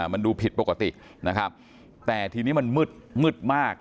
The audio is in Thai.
มันดูผิดปกตินะครับแต่ทีนี้มันมืดมืดมาก